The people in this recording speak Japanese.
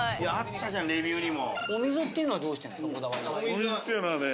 お水っていうのはね